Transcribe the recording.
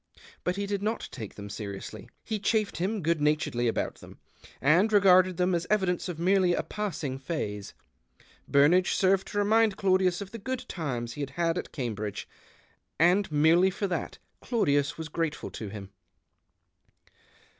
But he did not take them seriously ; he chaffed him good naturedly about them, and regarded them as evidence of merely a passing phase. Burnage served to remind Claudius of the good times he had had at Cambridge, and merely for that Claudius was grateful to him.